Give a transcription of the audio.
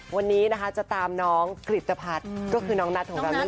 วันนี้นะคะจะตามน้องกริตภัทรก็คือน้องนัทของเรานั่นเอง